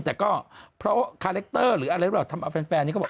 แต่ก็เพราะคาแรคเตอร์หรืออะไรหรือเปล่าทำเอาแฟนนี้ก็บอก